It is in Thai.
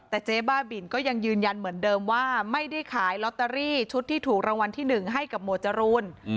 แต่เจ๊บ้าบินก็ยังยืนยันเหมือนเดิมว่าไม่ได้ขายลอตเตอรี่ชุดที่ถูกรางวัลที่๑ให้กับหมวดจรูน